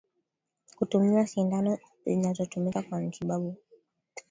Kutumia sindano zilizotumika kwa matibabu